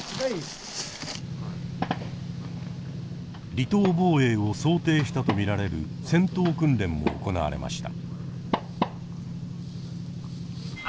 離島防衛を想定したと見られる戦闘訓練も行われました。